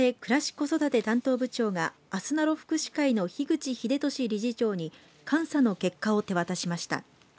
子育て担当部長があすなろ福祉会の樋口英俊理事長に監査の結果を手渡しました。